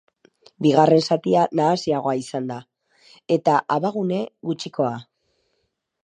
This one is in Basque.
Bigarren zatia nahasiagoa izan da, eta abagune gutxikoa.